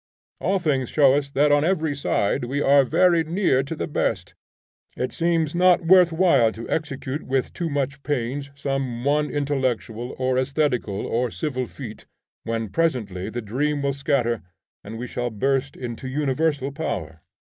All things show us that on every side we are very near to the best. It seems not worth while to execute with too much pains some one intellectual, or aesthetical, or civil feat, when presently the dream will scatter, and we shall burst into universal power.